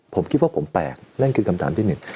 ผมคิดว่าผมแปลกนั่นคือคำถามที่หนึ่ง